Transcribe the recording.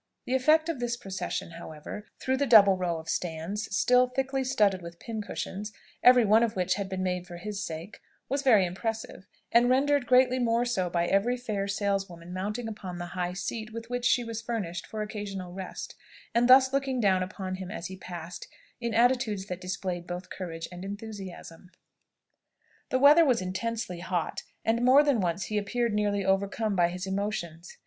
The effect of this procession, however, through the double row of stands, still thickly studded with pincushions, every one of which had been made for his sake, was very impressive, and rendered greatly more so by every fair sales woman mounting upon the high seat with which she was furnished for occasional rest, and thus looking down upon him as he passed in attitudes that displayed both courage and enthusiasm. The weather was intensely hot, and more than once he appeared nearly overcome by his emotions.